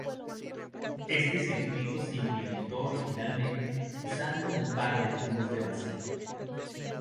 Este circuito se implementó originalmente usando un par de tubos de vacío.